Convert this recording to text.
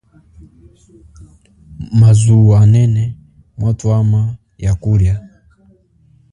Mazuwo anene, mwatwama ya kulia.